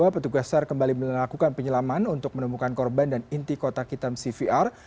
petugas sar kembali melakukan penyelaman untuk menemukan korban dan inti kotak hitam cvr